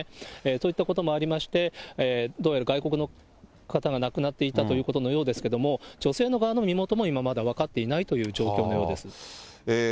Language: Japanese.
そういったこともありまして、どうやら外国の方が亡くなっていたということのようですけれども、女性の側の身元も今まだ分かっていないという状況のようです。